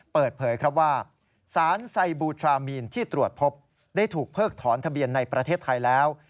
เปิดเผยครับว่าสารไซบูทรามีนที่ตรวจพบได้ถูกเพิกถอนทะเบียนในประเทศไทยแล้ว